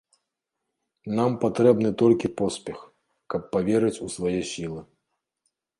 Нам патрэбны толькі поспех, каб паверыць у свае сілы.